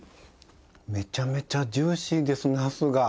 めちゃめちゃジューシーですなすが。